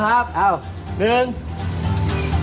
หน้าเล็ก